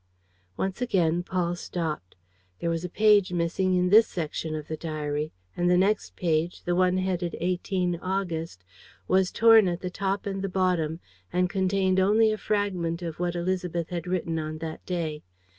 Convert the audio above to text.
Once again Paul stopped. There was a page missing in this section of the diary; and the next page, the one headed 18 August, was torn at the top and the bottom and contained only a fragment of what Élisabeth had written on that day